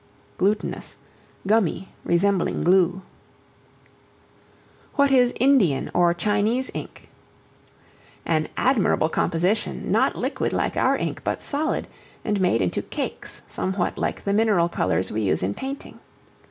Glutinous, gummy, resembling glue. What is Indian, or Chinese Ink? An admirable composition, not liquid like our ink, but solid, and made into cakes somewhat like the mineral colors we use in painting.